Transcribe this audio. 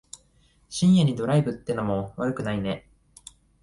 深夜にドライブってのも悪くないね。